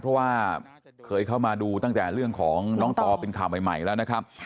เพราะว่าเคยเข้ามาดูตั้งแต่เรื่องของน้องต่อเป็นข่าวใหม่แล้วนะครับ